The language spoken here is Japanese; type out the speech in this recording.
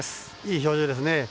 いい表情ですね。